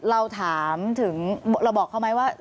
เราถามถึงเราบอกเขาไหมว่า